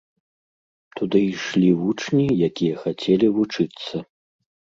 Туды ішлі вучні, якія хацелі вучыцца.